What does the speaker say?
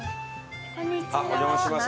お邪魔します。